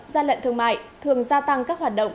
gian lận thương mại thường gia tăng các hoạt động